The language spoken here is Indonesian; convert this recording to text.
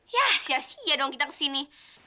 ya sia sia dong kita kesini